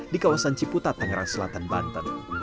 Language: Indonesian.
di kawasan ciputat tangerang selatan banten